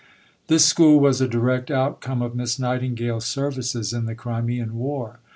This School was a direct outcome of Miss Nightingale's services in the Crimean War.